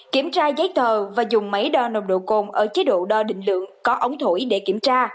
kiểm tra giấy tờ và dùng máy đo nồng độ cồn ở chế độ đo định lượng có ống thổi để kiểm tra